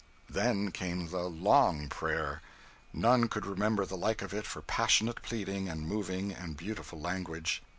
Then came the "long" prayer. None could remember the like of it for passionate pleading and moving and beautiful language.